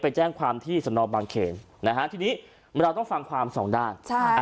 ไปแจ้งความที่สนบางเขนนะฮะทีนี้เราต้องฟังความสองด้าน